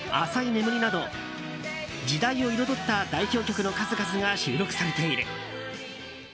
「浅い眠り」など時代を彩った代表曲の数々が収録されている。